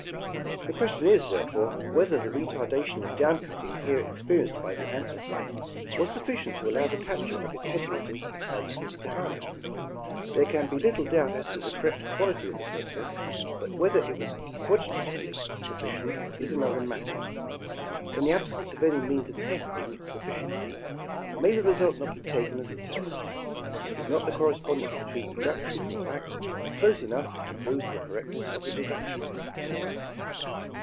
The question is, therefore, whether the retardation of down cutting here experienced by the Anthracite was sufficient to allow the capture of its headwaters by the Susquehanna. There can be little doubt as to the correct quality of the process, but 236 National Geographic Magazine. whether it was quantitatively sufficient is another matter. In the absence of any means of testing its sufficiency, may the result not be taken as the test ? Is not the correspondence between deduc tion and fact close enough to prove the correctness of the deduc tion